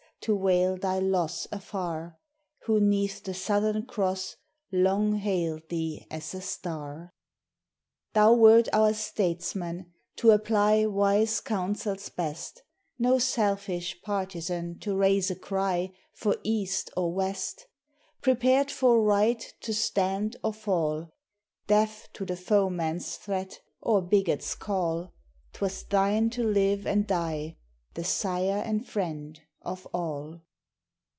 to wail thy loss afar, Who 'neath the Southern Cross long hailed thee as a star. Thou wert our Statesman to apply Wise counsels best; No selfish partisan to raise a cry For East or West. Prepared for Right to stand or fall Deaf to the foeman's threat, or bigot's call 'Twas thine to live and die, the sire and friend of all.